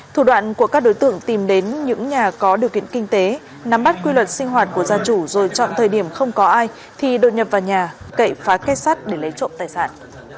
thủ đoạn của các đối tượng tìm đến những nhà có điều kiện kinh tế nắm bắt quy luật sinh hoạt của gia chủ rồi chọn thời điểm không có ai thì đột nhập vào nhà cậy phá kết sắt để lấy trộm tài sản